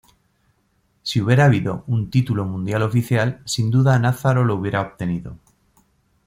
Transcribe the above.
Si hubiera habido un título mundial oficial, sin duda Nazzaro lo hubiera obtenido.